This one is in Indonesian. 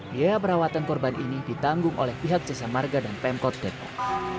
biaya perawatan korban ini ditanggung oleh pihak jasa marga dan pemkot depok